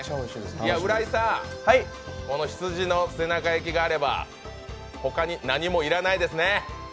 浦井さん、この羊の背中焼きがあればほかに何も要らないですね？